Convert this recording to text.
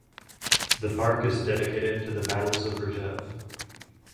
The park is dedicated to the Battles of Rzhev.